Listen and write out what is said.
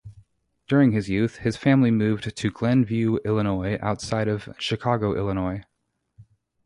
During his youth, his family moved to Glenview, Illinois, outside of Chicago, Illinois.